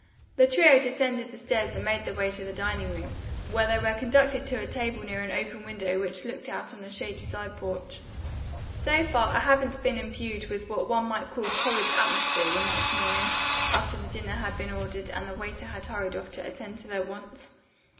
The trio descended the stairs and made their way to the dining room, where they were conducted to a table near an open window which looked out on a shady side porch. "So far I haven't been imbued with what one might call college atmosphere," remarked Miriam, after the dinner had been ordered and the waiter had hurried off to attend to their wants.